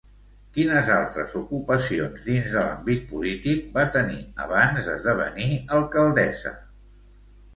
Quines altres ocupacions dins de l'àmbit polític va tenir, abans d'esdevenir alcaldessa?